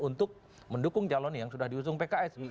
untuk mendukung calon yang sudah diusung pks